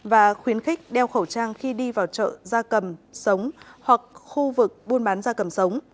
và khuyến khích đeo khẩu trang khi đi vào chợ da cầm sống hoặc khu vực buôn bán da cầm sống